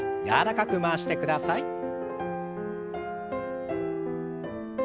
柔らかく回してください。